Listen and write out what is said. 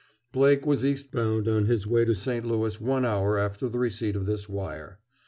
Blake was eastbound on his way to St. Louis one hour after the receipt of this wire.